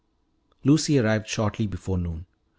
Lucy arrived shortly before noon.